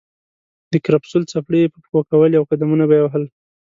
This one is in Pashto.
د کرپسول څپلۍ یې په پښو کولې او قدمونه به یې وهل.